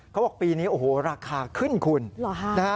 เขาบอกปีนี้โอ้โหราคาขึ้นคุณนะฮะ